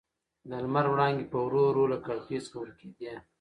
د لمر وړانګې په ورو ورو له کړکۍ څخه ورکېدې.